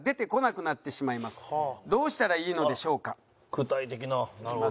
具体的な。